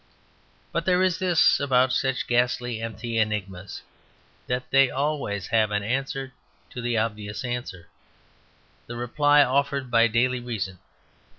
But there is this about such ghastly empty enigmas, that they always have an answer to the obvious answer, the reply offered by daily reason.